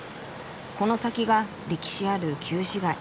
この先が歴史ある旧市街。